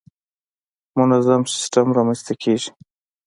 منظم سیستم رامنځته کېږي.